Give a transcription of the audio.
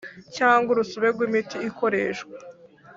Cyangwa urusobe rw imiti ikoreshwa